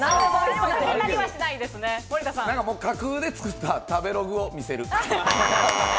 架空で作った食べログを見せる。